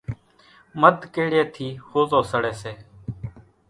مڌ ڪيڙيئيَ ٿِي ۿوزو سڙيَ سي۔